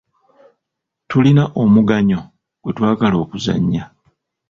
Tulina omugannyo gwe twagala okuzannya.